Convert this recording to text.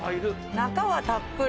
中はたっぷり。